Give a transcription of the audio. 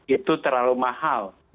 itu terlalu mahal